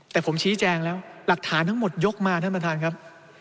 แต่ผมชี้แจงแล้วหลักฐานทั้งหมดยกมาท่านประธานครับ